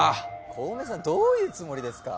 小梅さんどういうつもりですか？